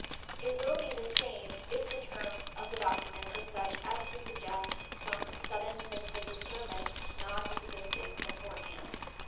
It will be the same.if the terms of the document are such as to suggest some sudden mental disturbance not " existing beforehand.